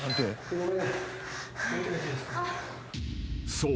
［そう。